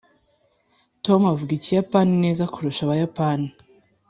tom avuga ikiyapani neza kurusha abayapani.